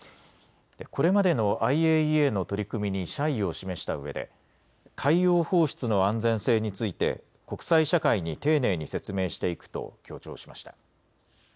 これまでのＩＡＥＡの取り組みに謝意を示したうえで海洋放出の安全性について国際社会に丁寧に説明していくと強調しました。